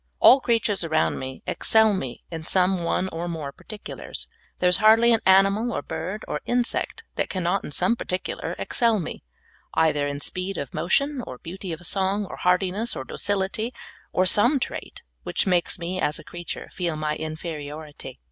All creatures around me excel me in some one or more particulars. There is hardl}^ an animal, or bird, or insect, that cannot in some particular excel me, either in speed of motion, or beauty of song, or hardiness, or docility, or some trait, which makes me as a creature feel ni}" inferiority.